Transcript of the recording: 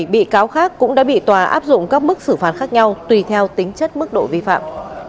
một mươi bị cáo khác cũng đã bị tòa áp dụng các mức xử phạt khác nhau tùy theo tính chất mức độ vi phạm